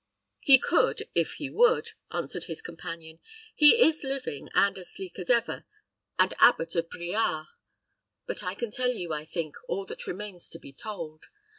"He could, if he would," answered his companion. "He is living, and as sleek as ever, and Abbot of Briare; but I can tell you, I think, all that remains to be told.